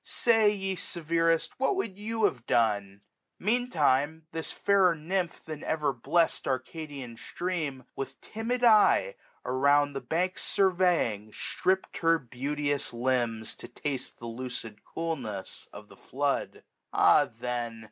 Say, ye severest, what would you have done ? Meantime, this fairer nymph than ever blest Arcadian stream, with timid eye around 1300 The banks surveying, stripped her beauteous limbs. To taste the lucid coolness of the flood. Ah then!